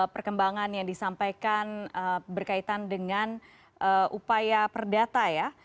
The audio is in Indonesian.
perkembangan yang disampaikan berkaitan dengan upaya perdata ya